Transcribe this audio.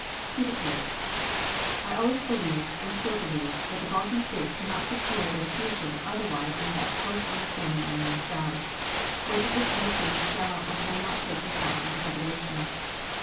He declared: "I always believed, and still believe, that the Balkan States cannot secure their future otherwise than by a close understanding among themselves, whether this understanding shall or shall not take the form of a federation.